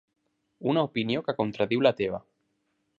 Una opinió que contradiu la teva.